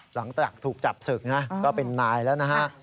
หลังจากถูกจับศึกนะก็เป็นนายแล้วนะฮะ